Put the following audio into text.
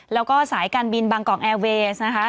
แล้วก็สายการบินบางกอกแอร์เวสนะคะ